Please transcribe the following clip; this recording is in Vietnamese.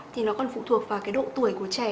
thì nó còn phụ thuộc vào cái độ tuổi của trẻ